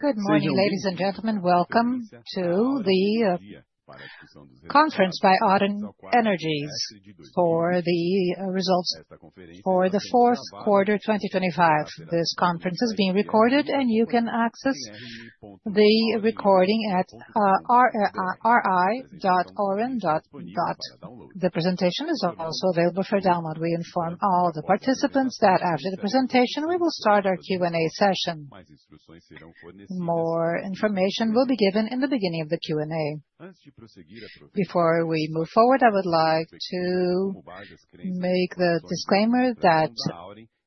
Good morning, ladies and gentlemen. Welcome to the conference by Auren Energia for the results for the fourth quarter, 2025. This conference is being recorded, and you can access the recording at ri.auren. The presentation is also available for download. We inform all the participants that after the presentation, we will start our Q&A session. More information will be given in the beginning of the Q&A. Before we move forward, I would like to make the disclaimer that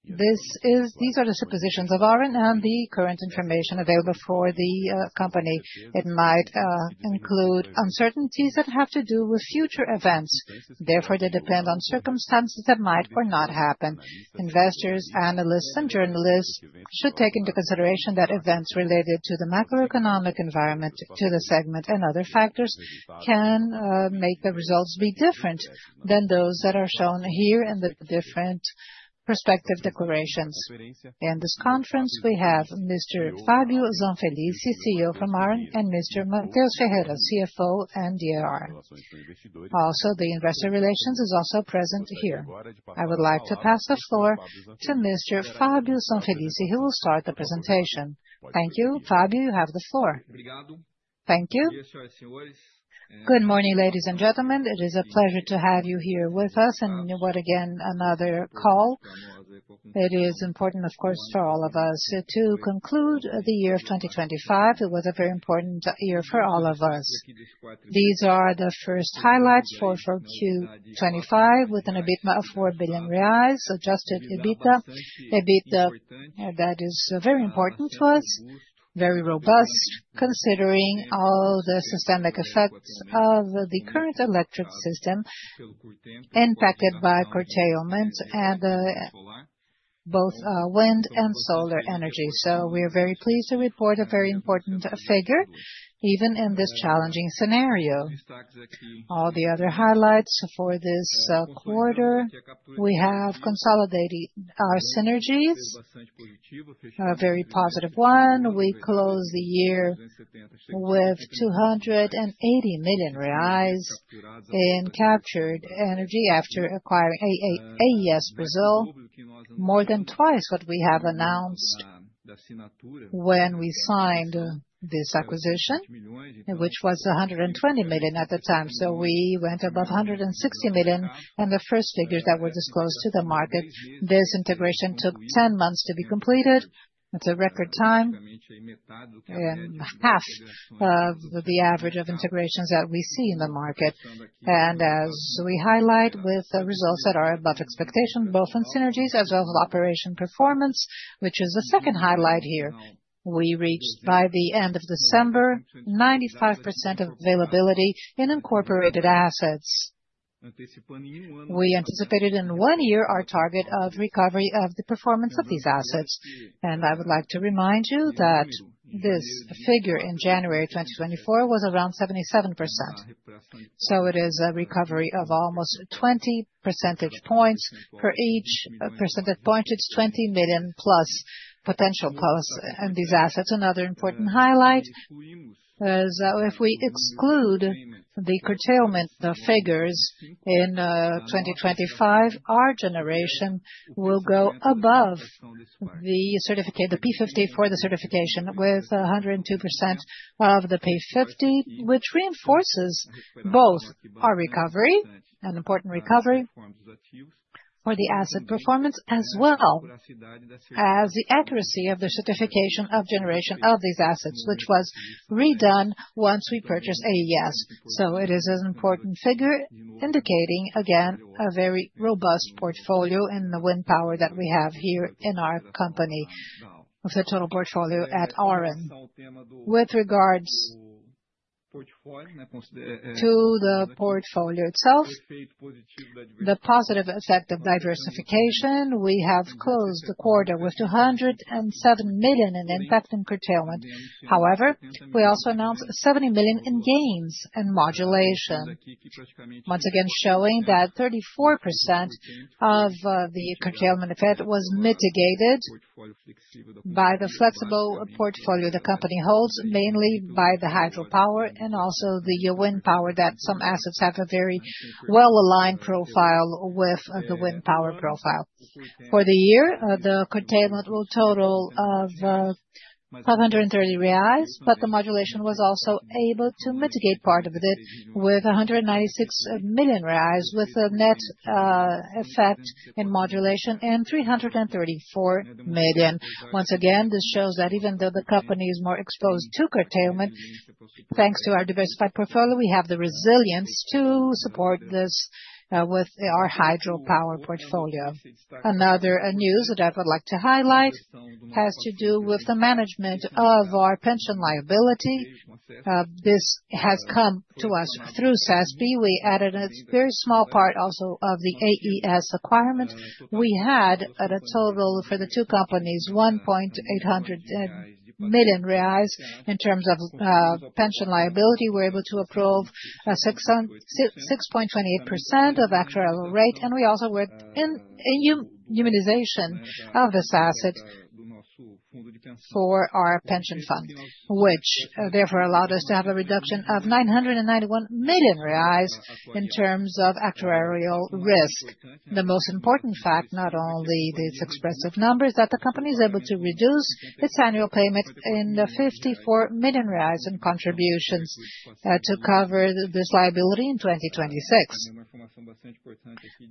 these are the suppositions of Auren and the current information available for the company. It might include uncertainties that have to do with future events. Therefore, they depend on circumstances that might or not happen. Investors, analysts and journalists should take into consideration that events related to the macroeconomic environment, to the segment and other factors can make the results be different than those that are shown here in the different prospective declarations. In this conference, we have Mr. Fabio Zanfelice, CEO from Auren, and Mr. Mateus Ferreira, CFO and EO, Auren. Also, the investor relations is also present here. I would like to pass the floor to Mr. Fabio Zanfelice, who will start the presentation. Thank you. Fabio, you have the floor. Thank you. Good morning, ladies and gentlemen. It is a pleasure to have you here with us and what, again, another call. It is important, of course, for all of us to conclude the year of 2025. It was a very important year for all of us. These are the first highlights for Q 25 with an EBITDA of 4 billion reais. Adjusted EBITDA that is very important for us, very robust considering all the systemic effects of the current electric system impacted by curtailment and both wind and solar energy. We are very pleased to report a very important figure, even in this challenging scenario. All the other highlights for this quarter, we have consolidated our synergies, a very positive one. We closed the year with 280 million reais in captured energy after acquiring AES Brasil, more than twice what we have announced when we signed this acquisition, which was 120 million at the time. We went above 160 million in the first figures that were disclosed to the market. This integration took 10 months to be completed. It's a record time and half of the average of integrations that we see in the market. As we highlight with the results that are above expectation, both in synergies as well as operation performance, which is the second highlight here. We reached by the end of December, 95% availability in incorporated assets. We anticipated in one year our target of recovery of the performance of these assets. I would like to remind you that this figure in January 2024 was around 77%. It is a recovery of almost 20 percentage points. Per each percentage point, it's 20 million+ potential costs in these assets. Another important highlight is if we exclude the curtailment figures in 2025, our generation will go above the certificate, the P50 for the certification with 102% of the P50, which reinforces both our recovery, an important recovery for the asset performance as well as the accuracy of the certification of generation of these assets, which was redone once we purchased AES. It is an important figure indicating, again, a very robust portfolio in the wind power that we have here in our company with the total portfolio at Auren. With regards to the portfolio itself, the positive effect of diversification, we have closed the quarter with 207 million in impact and curtailment. We also announced 70 million in gains and modulation. Once again, showing that 34% of the curtailment effect was mitigated by the flexible portfolio the company holds, mainly by the hydropower and also the wind power that some assets have a very well-aligned profile with the wind power profile. For the year, the curtailment will total 530 reais. The modulation was also able to mitigate part of it with 196 million reais with a net effect in modulation and 334 million. Once again, this shows that even though the company is more exposed to curtailment, thanks to our diversified portfolio, we have the resilience to support this with our hydropower portfolio. Another news that I would like to highlight has to do with the management of our pension liability. This has come to us through Saspi. We added a very small part also of the AES requirement. We had at a total for the two companies, 1.8 million reais. In terms of pension liability, we're able to approve a 6.28% of actuarial rate. We also worked in a humanization of this asset for our pension fund, which therefore allowed us to have a reduction of 991 million reais in terms of actuarial risk. The most important fact, not only these expressive numbers, that the company is able to reduce its annual payment in the 54 million in contributions to cover this liability in 2026.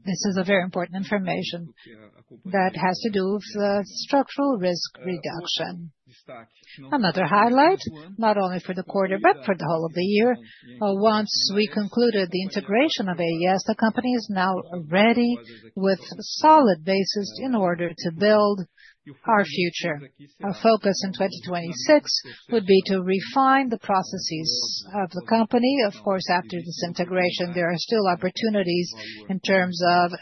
This is a very important information that has to do with the structural risk reduction. Another highlight, not only for the quarter but for the whole of the year, once we concluded the integration of AES, the company is now ready with solid basis in order to build our future. Our focus in 2026 would be to refine the processes of the company. Of course, after this integration, there are still opportunities in terms of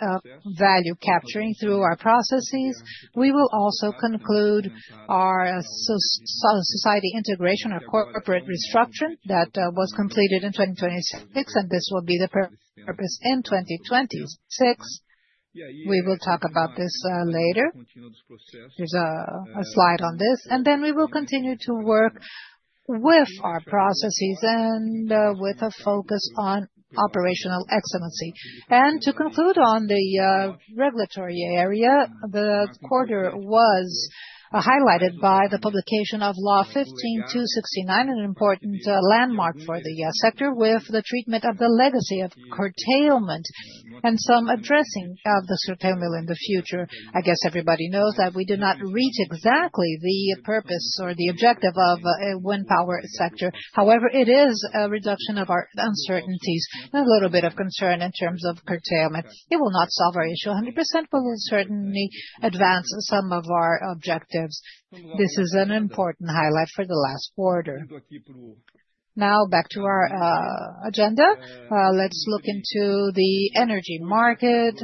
value capturing through our processes. We will also conclude our society integration, our corporate restructure that was completed in 2026, and this will be the purpose in 2026. We will talk about this later. There's a slide on this, and then we will continue to work with our processes and with a focus on operational excellency. To conclude on the regulatory area, the quarter was highlighted by the publication of Law 15,269, an important landmark for the sector with the treatment of the legacy of curtailment and some addressing of the curtailment in the future. I guess everybody knows that we did not reach exactly the purpose or the objective of a wind power sector. It is a reduction of our uncertainties and a little bit of concern in terms of curtailment. It will not solve our issue 100%, but will certainly advance some of our objectives. This is an important highlight for the last quarter. Back to our agenda. Let's look into the energy market.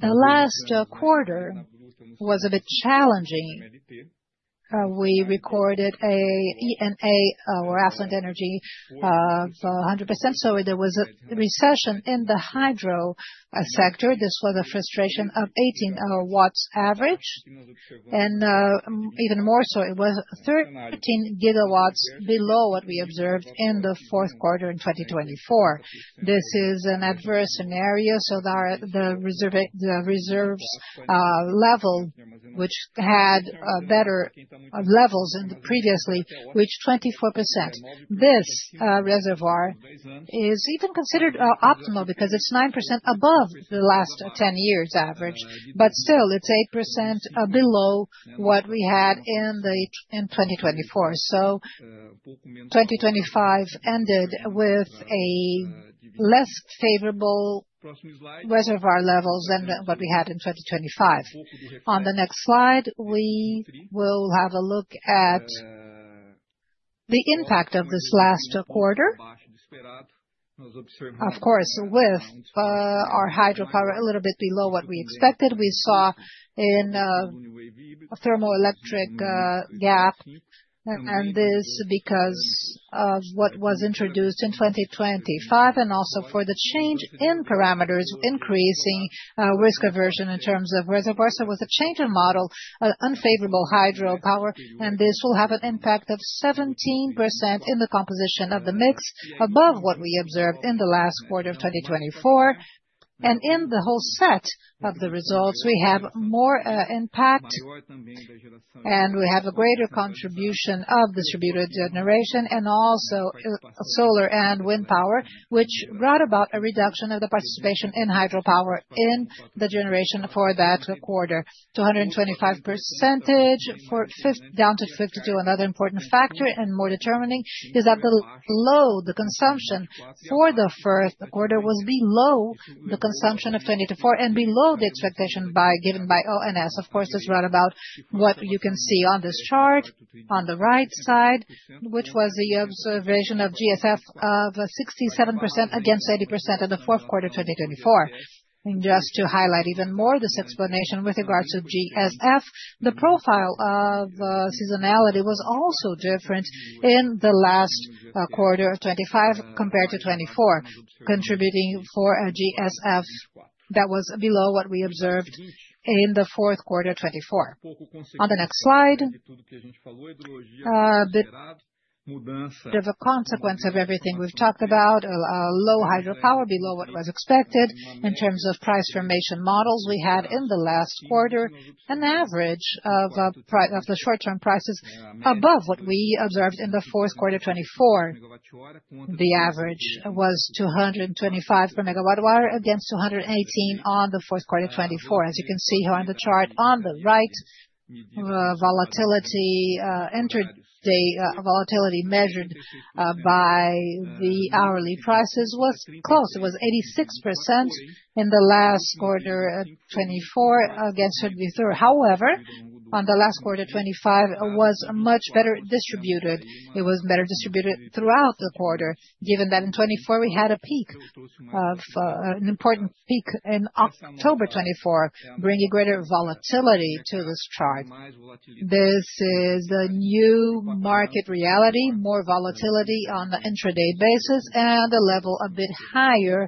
The last quarter was a bit challenging. We recorded a ENA, or affluent energy, for 100%. There was a recession in the hydro sector. This was a frustration of 18 watts average. Even more so, it was 13 gigawatts below what we observed in the fourth quarter in 2024. This is an adverse scenario, the reserves level, which had better levels in the previously, reached 24%. This reservoir is even considered optimal because it's 9% above the last 10 years average. Still, it's 8% below what we had in 2024. 2025 ended with a less favorable reservoir levels than what we had in 2025. On the next slide, we will have a look at the impact of this last quarter. Of course, with, our hydropower a little bit below what we expected, we saw in a thermoelectric gap, and this because of what was introduced in 2025 and also for the change in parameters increasing risk aversion in terms of reservoirs. There was a change in model, unfavorable hydropower, and this will have an impact of 17% in the composition of the mix above what we observed in the last quarter of 2024. In the whole set of the results, we have more impact, and we have a greater contribution of distributed generation and also solar and wind power, which brought about a reduction of the participation in hydropower in the generation for that quarter. 225% down to 52. Another important factor and more determining is that the consumption for the first quarter was below the consumption of 2024 and below the expectation given by ONS. Of course, it's right about what you can see on this chart on the right side, which was the observation of GSF of 67% against 80% in the fourth quarter of 2024. Just to highlight even more this explanation with regards to GSF, the profile of seasonality was also different in the last quarter of 2025 compared to 2024, contributing for a GSF that was below what we observed in the fourth quarter of 2024. On the next slide, the consequence of everything we've talked about, low hydropower below what was expected. In terms of price formation models, we had in the last quarter an average of the short-term prices above what we observed in the fourth quarter of 2024. The average was 225 per megawatt wire against 218 on the fourth quarter of 2024. As you can see here on the chart on the right, volatility entered the volatility measured by the hourly prices was close. It was 86% in the last quarter of 2024 against 33%. On the last quarter 2025, it was much better distributed. It was better distributed throughout the quarter, given that in 2024 we had a peak of an important peak in October 2024, bringing greater volatility to this chart. This is a new market reality, more volatility on the intraday basis and a level a bit higher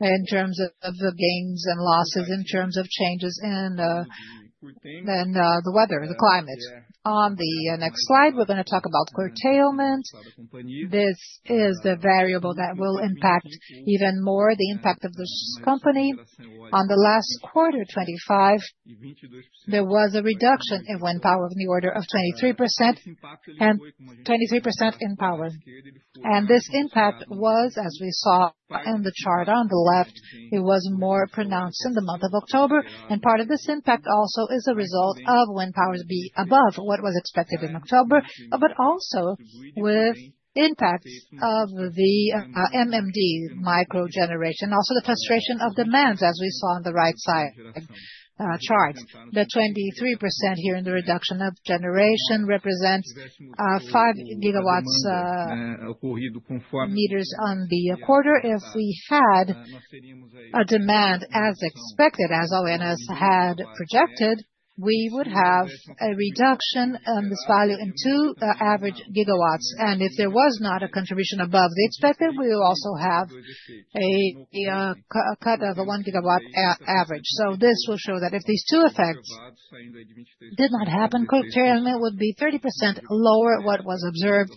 in terms of the gains and losses, in terms of changes in the weather, the climate. On the next slide, we're gonna talk about curtailment. This is the variable that will impact even more the impact of this company. On the last quarter, 2025, there was a reduction in wind power in the order of 23% and 23% in power. This impact was, as we saw in the chart on the left, it was more pronounced in the month of October. Part of this impact also is a result of wind power be above what was expected in October, but also with impacts of the MMD micro generation. The frustration of demands, as we saw on the right side, chart. The 23% here in the reduction of generation represents 5 gigawatts, meters on the quarter. If we had a demand as expected, as ONS had projected, we would have a reduction in this value in 2 average gigawatts. If there was not a contribution above the expected, we will also have a cut of a 1 gigawatt average. This will show that if these 2 effects did not happen, curtailment would be 30% lower what was observed,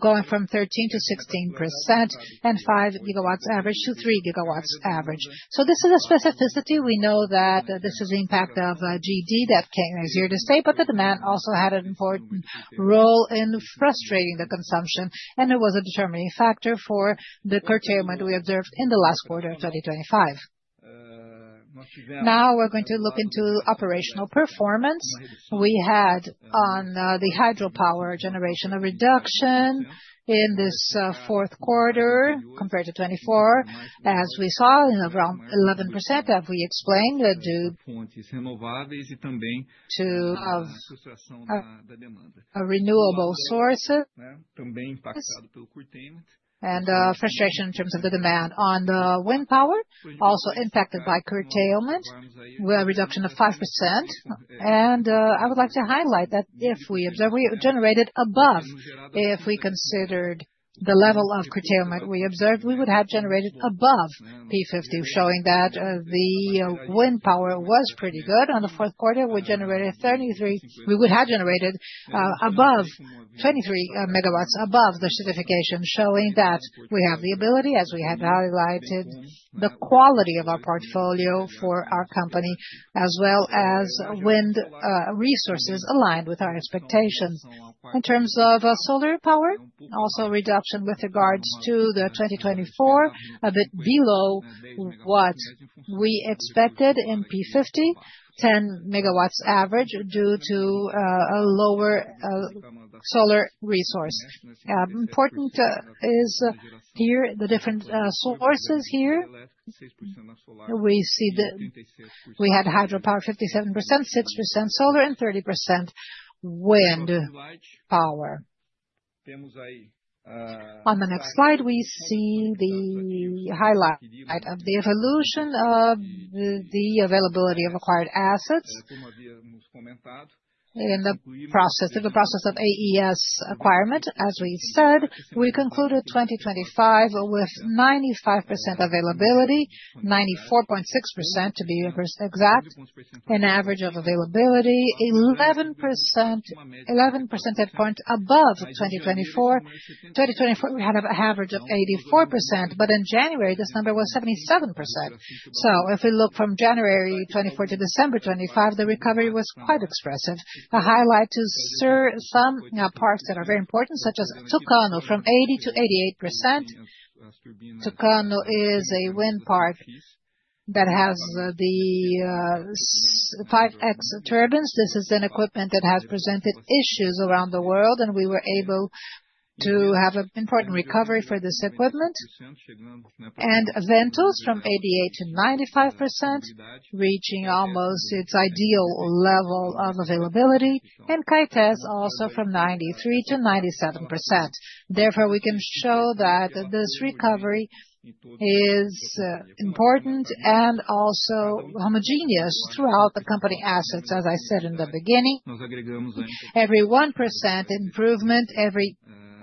going from 13%-16% and 5 gigawatts average to 3 gigawatts average. This is a specificity. We know that this is the impact of GD that came, is here to stay, but the demand also had an important role in frustrating the consumption, and it was a determining factor for the curtailment we observed in the last quarter of 2025. Now we're going to look into operational performance. We had on the hydropower generation a reduction in this fourth quarter compared to 2024. As we saw in around 11% that we explained due to a renewable source. Frustration in terms of the demand. On the wind power, also impacted by curtailment, we had a reduction of 5%. I would like to highlight that if we observe, we generated above. If we considered the level of curtailment we observed, we would have generated above P50, showing that the wind power was pretty good. On the fourth quarter, we would have generated above 23 megawatts above the certification, showing that we have the ability, as we have highlighted, the quality of our portfolio for our company, as well as wind resources aligned with our expectations. In terms of solar power, also reduction with regards to the 2024, a bit below what we expected in P50, 10 megawatts average due to a lower solar resource. Important is here the different sources here. We had hydropower 57%, 6% solar, and 30% wind power. On the next slide, we see the highlight of the evolution of the availability of acquired assets. In the process of AES acquirement, as we said, we concluded 2025 with 95% availability, 94.6% to be exact. An average of availability, 11% at point above 2024. 2024, we had an average of 84%. In January, this number was 77%. If we look from January 2024 to December 2025, the recovery was quite expressive. The highlight is some, you know, parts that are very important, such as Tucano from 80%-88%. Tucano is a wind park that has the 5X turbines. This is an equipment that has presented issues around the world, and we were able to have an important recovery for this equipment. Ventos from 88%-95%, reaching almost its ideal level of availability. Caetés also from 93% to 97%. Therefore, we can show that this recovery is important and also homogeneous throughout the company assets. As I said in the beginning, every 1% improvement, every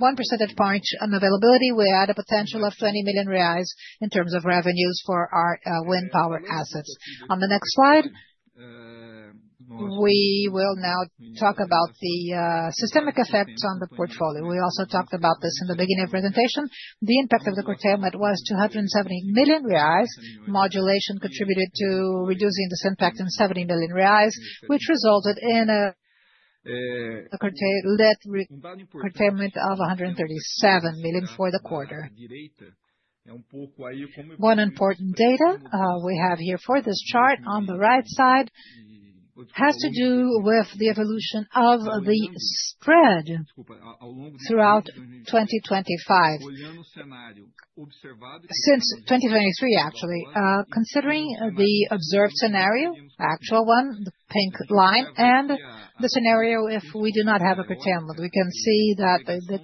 1 percentage point on availability, we add a potential of 20 million reais in terms of revenues for our wind power assets. On the next slide, we will now talk about the systemic effects on the portfolio. We also talked about this in the beginning of presentation. The impact of the curtailment was 270 million reais. Modulation contributed to reducing this impact in 70 million reais, which resulted in a net re-curtailment of 137 million for the quarter. One important data we have here for this chart on the right side has to do with the evolution of the spread throughout 2025. Since 2023 actually, considering the observed scenario, actual one, the pink line, and the scenario if we do not have a curtailment. We can see that the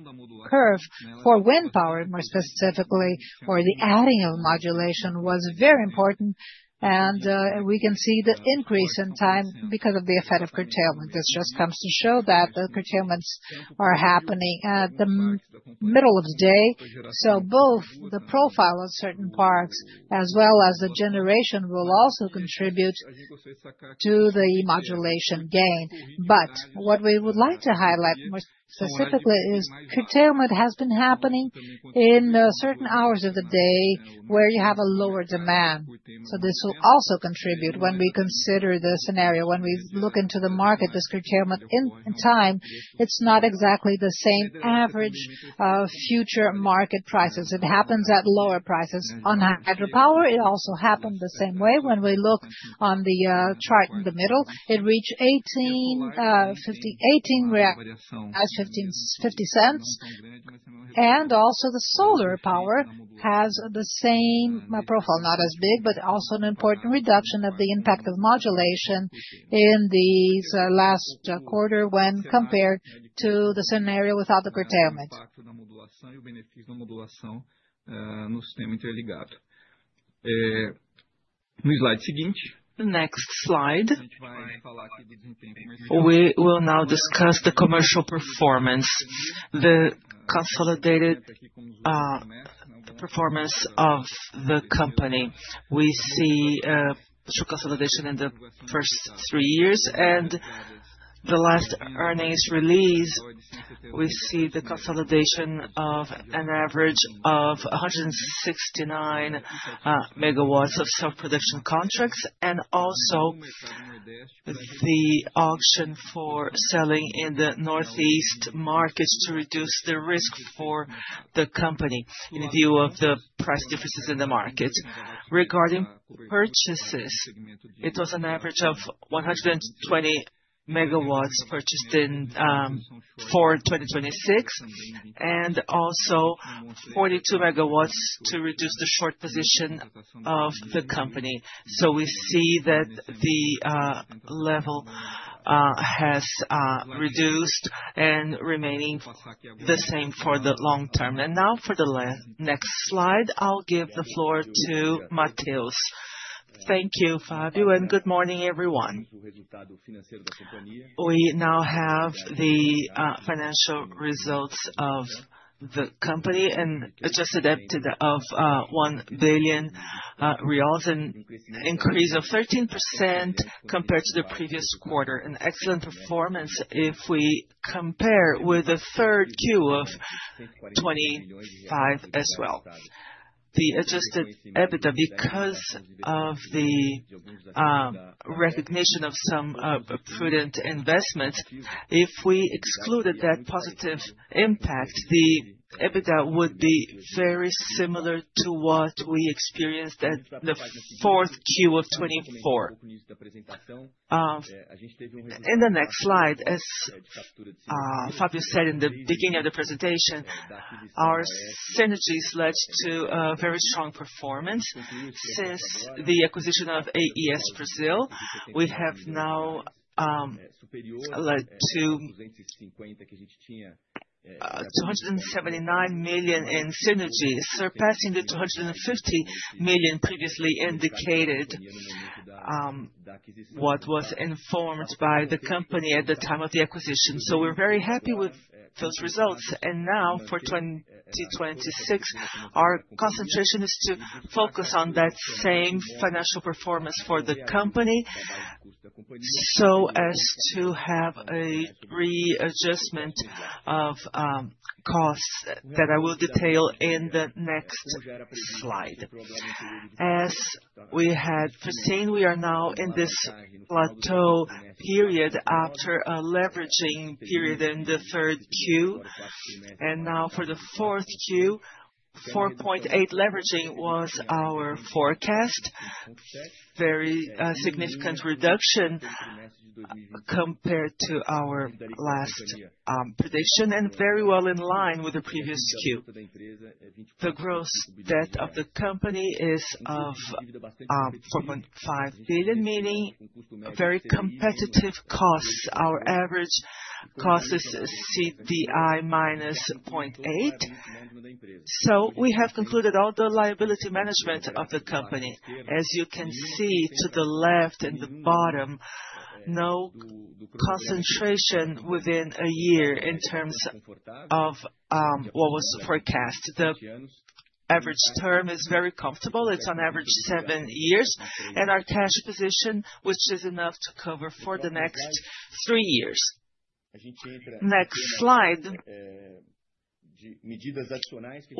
curve for wind power, more specifically for the adding of modulation, was very important. We can see the increase in time because of the effect of curtailment. This just comes to show that the curtailments are happening at the middle of the day. Both the profile of certain parts as well as the generation will also contribute to the modulation gain. What we would like to highlight more specifically is curtailment has been happening in certain hours of the day where you have a lower demand. This will also contribute when we consider the scenario. When we look into the market, this curtailment in time, it's not exactly the same average of future market prices. It happens at lower prices. On the hydropower, it also happened the same way. When we look on the chart in the middle, it reached BRL 18.50. Also the solar power has the same profile, not as big, but also an important reduction of the impact of modulation in these last quarter when compared to the scenario without the curtailment. The next slide. We will now discuss the commercial performance, the consolidated performance of the company. We see through consolidation in the first 3 years, and the last earnings release, we see the consolidation of an average of 169 megawatts of self-production contracts and also the option for selling in the Northeast markets to reduce the risk for the company in view of the price differences in the market. Regarding purchases, it was an average of 120 megawatts purchased in for 2026, and also 42 megawatts to reduce the short position of the company. We see that the level has reduced and remaining the same for the long term. Now for the next slide, I'll give the floor to Mateus. Thank you, Fabio, and good morning, everyone. We now have the financial results of the company, and adjusted EBITDA of 1 billion reais, an increase of 13% compared to the previous quarter. An excellent performance if we compare with the third Q of 2025 as well. The adjusted EBITDA, because of the recognition of some prudent investments, if we excluded that positive impact, the EBITDA would be very similar to what we experienced at the fourth Q of 2024. In the next slide, as Fabio said in the beginning of the presentation, our synergies led to a very strong performance. Since the acquisition of AES Brasil, we have now led to 279 million in synergies, surpassing 250 million previously indicated, what was informed by the company at the time of the acquisition. We're very happy with those results. Now for 2026, our concentration is to focus on that same financial performance for the company so as to have a readjustment of costs that I will detail in the next slide. As we had foreseen, we are now in this plateau period after a leveraging period in the third Q. Now for the fourth Q, 4.8 leveraging was our forecast. Very significant reduction compared to our last prediction and very well in line with the previous Q. The gross debt of the company is of 4.5 billion, meaning very competitive costs. Our average cost is CDI minus 0.8. We have concluded all the liability management of the company. As you can see to the left in the bottom, no concentration within a year in terms of what was forecast. The average term is very comfortable. It's on average seven years. Our cash position, which is enough to cover for the next three years. Next slide.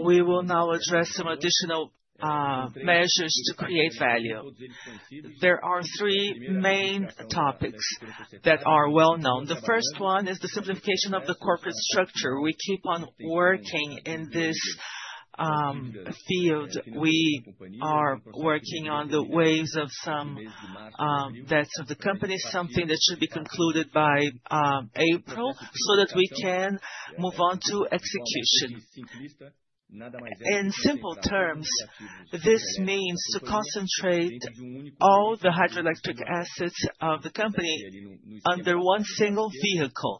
We will now address some additional measures to create value. There are three main topics that are well-known. The first one is the simplification of the corporate structure. We keep on working in this field. We are working on the ways of some debts of the company, something that should be concluded by April, so that we can move on to execution. In simple terms, this means to concentrate all the hydroelectric assets of the company under one single vehicle.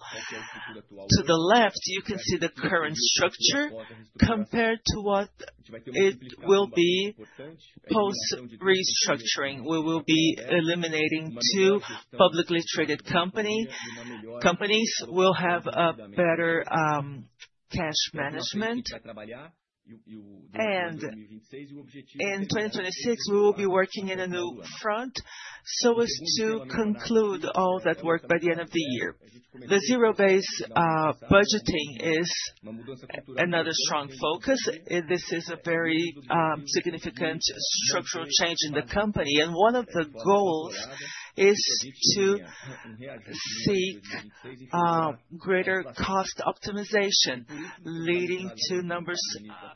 To the left, you can see the current structure compared to what it will be post-restructuring. We will be eliminating two publicly traded company. Companies will have a better cash management. In 2026, we will be working in a new front so as to conclude all that work by the end of the year. The zero-based budgeting is another strong focus. This is a very significant structural change in the company, and one of the goals is to seek greater cost optimization, leading to numbers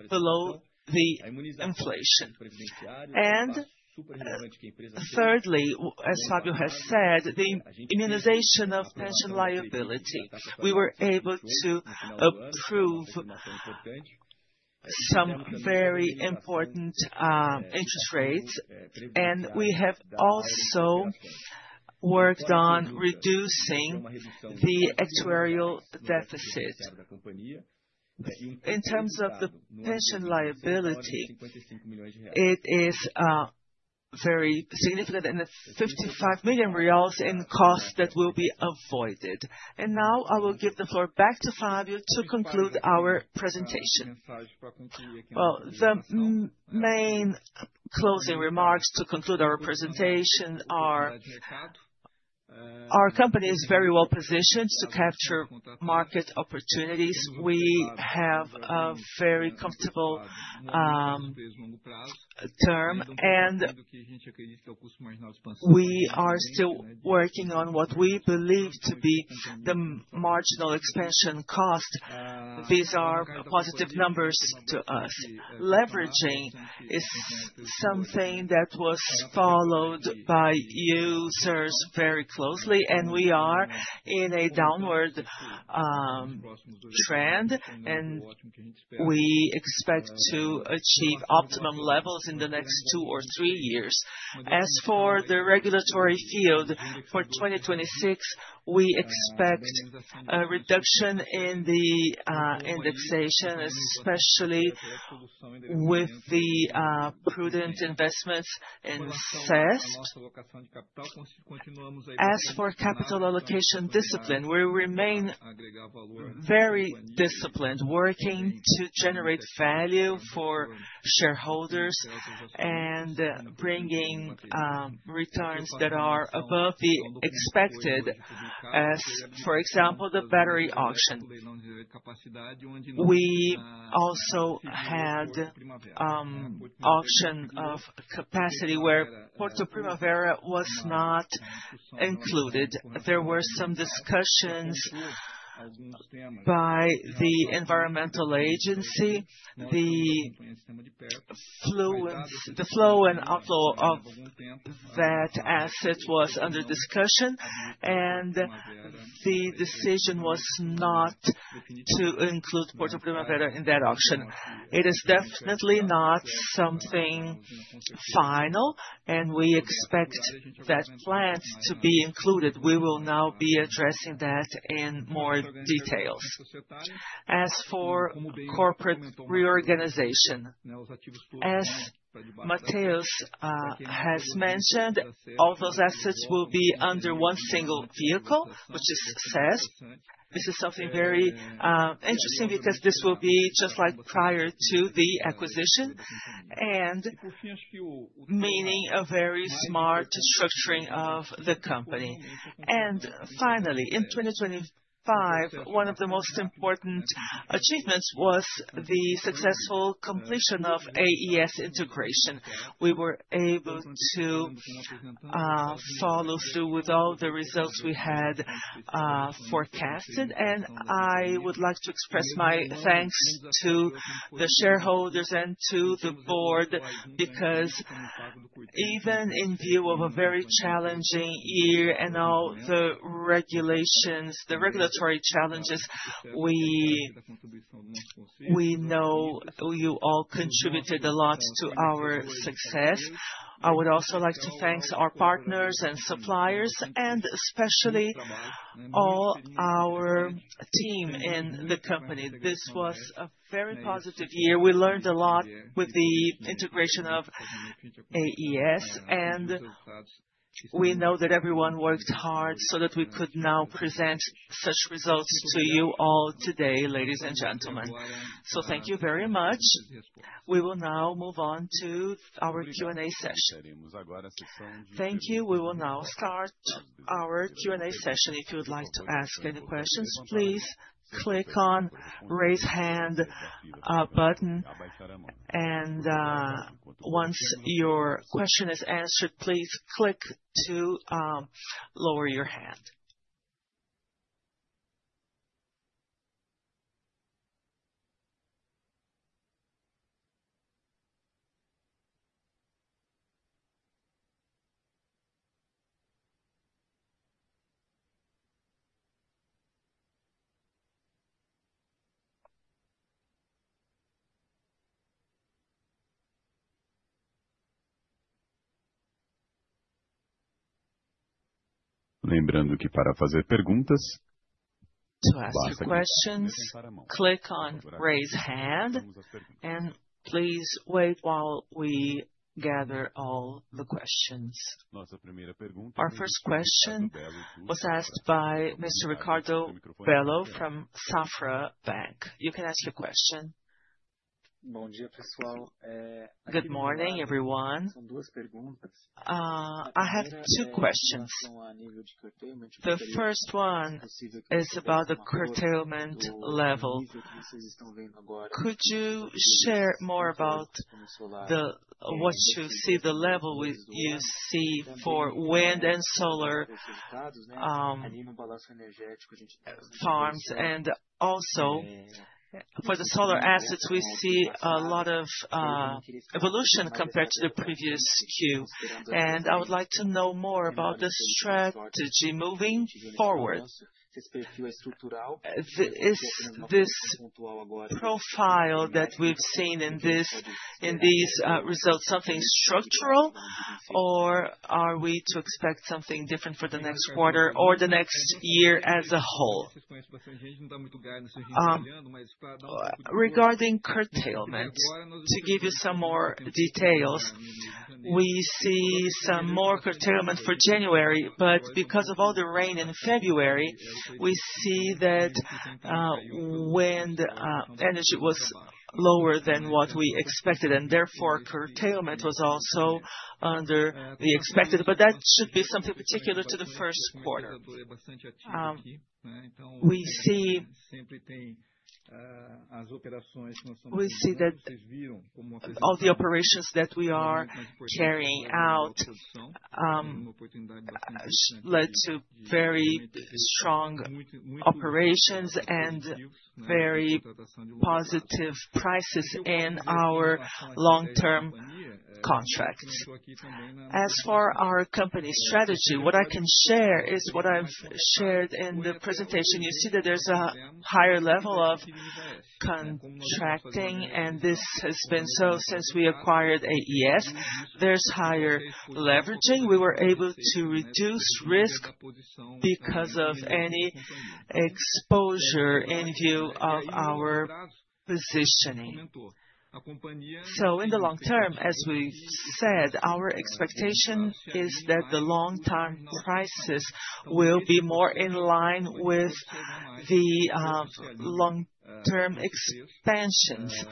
below the inflation. Thirdly, as Fabio has said, the immunization of pension liability. We were able to approve some very important interest rates, and we have also worked on reducing the actuarial deficit. In terms of the pension liability, it is very significant, and it's 55 million reais in costs that will be avoided. Now, I will give the floor back to Fabio to conclude our presentation. The main closing remarks to conclude our presentation are. Our company is very well-positioned to capture market opportunities. We have a very comfortable term, and we are still working on what we believe to be the marginal expansion cost. These are positive numbers to us. Leveraging is something that was followed by users very closely, and we are in a downward trend, and we expect to achieve optimum levels in the next two or three years. As for the regulatory field, for 2026, we expect a reduction in the indexation, especially with the prudent investments in CESP. As for capital allocation discipline, we remain very disciplined, working to generate value for shareholders and bringing returns that are above the expected, as for example, the battery auction. We also had auction of capacity where Porto Primavera was not included. There were some discussions by the environmental agency. The flow and outflow of that asset was under discussion, and the decision was not to include Porto Primavera in that auction. It is definitely not something final, and we expect that plant to be included. We will now be addressing that in more details. As for corporate reorganization, as Matheus has mentioned, all those assets will be under one single vehicle, which is CESP. This is something very interesting because this will be just like prior to the acquisition, meaning a very smart structuring of the company. Finally, in 2025, one of the most important achievements was the successful completion of AES integration. We were able to follow through with all the results we had forecasted. I would like to express my thanks to the shareholders and to the board because even in view of a very challenging year and all the regulations, the regulatory challenges, we know you all contributed a lot to our success. I would also like to thank our partners and suppliers, and especially all our team in the company. This was a very positive year. We learned a lot with the integration of AES, and we know that everyone worked hard so that we could now present such results to you all today, ladies and gentlemen. Thank you very much. We will now move on to our Q&A session. Thank you. We will now start our Q&A session. If you would like to ask any questions, please click on raise hand button. Once your question is answered, please click to lower your hand. To ask questions, click on raise hand, and please wait while we gather all the questions. Our first question was asked by Mr. Ricardo Bello from Safra Bank. You can ask your question. Good morning, everyone. I have two questions. The first one is about the curtailment level. Could you share more about what you see the level with you see for wind and solar farms? Also for the solar assets, we see a lot of evolution compared to the previous queue, and I would like to know more about the strategy moving forward. Is this profile that we've seen in these results something structural, or are we to expect something different for the next quarter or the next year as a whole? Regarding curtailment, to give you some more details. We see some more curtailment for January, but because of all the rain in February, we see that wind energy was lower than what we expected, and therefore, curtailment was also under the expected. That should be something particular to the first quarter. We see that all the operations that we are carrying out led to very strong operations and very positive prices in our long-term contracts. As for our company strategy, what I can share is what I've shared in the presentation. You see that there's a higher level of contracting. This has been so since we acquired AES. There's higher leveraging. We were able to reduce risk because of any exposure in view of our positioning. In the long term, as we've said, our expectation is that the long-term prices will be more in line with the long-term expansions.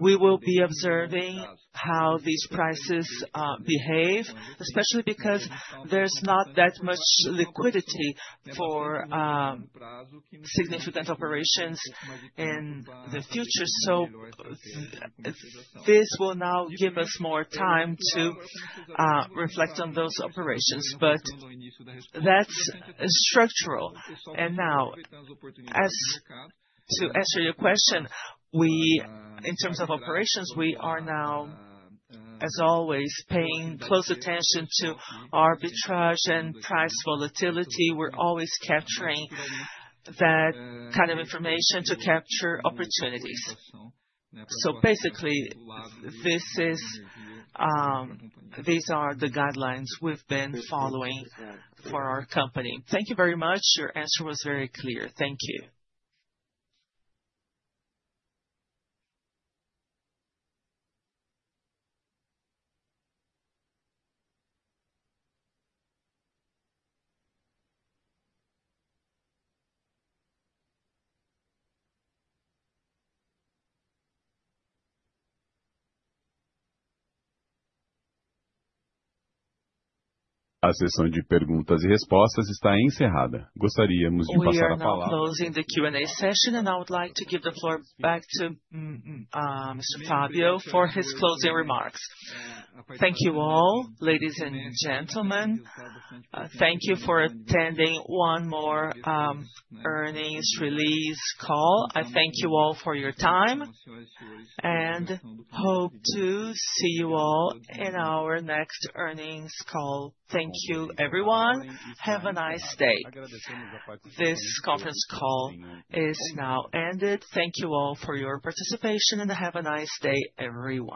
We will be observing how these prices behave, especially because there's not that much liquidity for significant operations in the future. This will now give us more time to reflect on those operations. That's structural. As to answer your question, in terms of operations, we are now, as always, paying close attention to arbitrage and price volatility. We're always capturing that kind of information to capture opportunities. Basically, this is, these are the guidelines we've been following for our company. Thank you very much. Your answer was very clear. Thank you. We are now closing the Q&A session. I would like to give the floor back to Mr. Fabio for his closing remarks. Thank you all, ladies and gentlemen. Thank you for attending one more earnings release call. I thank you all for your time. Hope to see you all in our next earnings call. Thank you everyone. Have a nice day. This conference call is now ended. Thank you all for your participation. Have a nice day, everyone.